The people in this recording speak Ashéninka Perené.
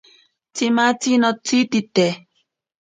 Tsimatzi notsitsite.